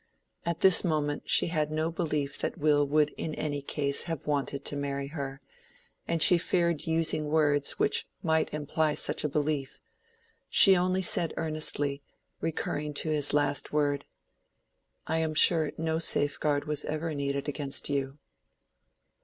At this moment she had no belief that Will would in any case have wanted to marry her, and she feared using words which might imply such a belief. She only said earnestly, recurring to his last word— "I am sure no safeguard was ever needed against you."